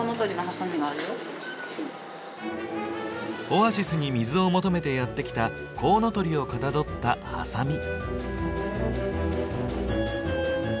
オアシスに水を求めてやって来たコウノトリをかたどったハサミ。